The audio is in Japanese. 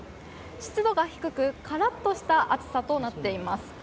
湿度が低くからっとした暑さとなっています。